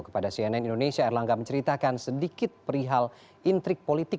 kepada cnn indonesia erlangga menceritakan sedikit perihal intrik politik